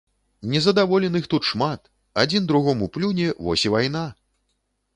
Незадаволеных тут шмат, адзін другому плюне, вось і вайна!